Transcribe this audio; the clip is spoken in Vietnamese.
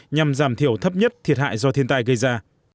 nhằm giảm thiểu thấp nhất thiệt hại do thiên tai gây ra